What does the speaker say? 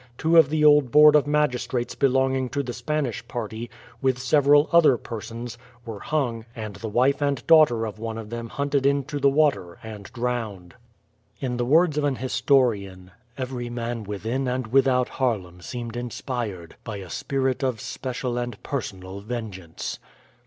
Two of the old board of magistrates belonging to the Spanish party, with several other persons, were hung, and the wife and daughter of one of them hunted into the water and drowned. In the words of an historian, "Every man within and without Haarlem seemed inspired by a spirit of special and personal vengeance."